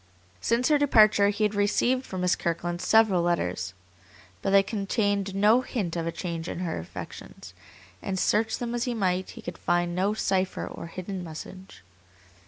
Since her departure he had received from Miss Kirkland several letters, but they contained no hint of a change in her affections, and search them as he might, he could find no cipher or hidden message.